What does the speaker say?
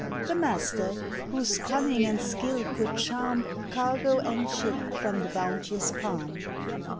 The master, whose cunning and skill could charm Cargo and ship from the bounteous palm.